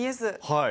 はい。